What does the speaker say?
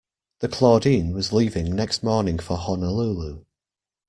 The Claudine was leaving next morning for Honolulu.